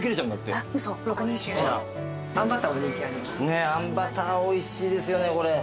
ねっあんバターおいしいですよねこれ。